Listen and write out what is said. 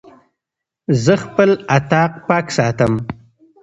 زه خپل اطاق پاک ساتم.